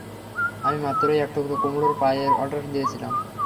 আমি মাত্রই এক টুকরো কুমড়োর পাইয়ের অর্ডার দিয়েছিলাম।